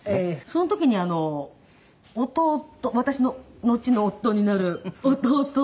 その時に弟私ののちの夫になる弟を。